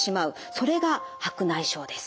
それが白内障です。